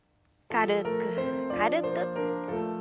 軽く軽く。